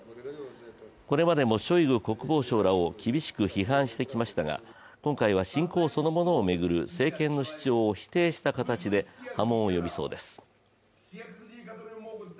これまでもショイグ国防相らを厳しく批判してきましたが今回は侵攻そのものを巡る政権の主張を否定した形で波紋を呼びそうです。